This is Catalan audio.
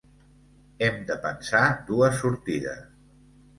Hem de pensar dues sortides.